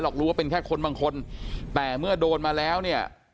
รู้ว่าเป็นแค่คนบางคนแต่เมื่อโดนมาแล้วเนี่ย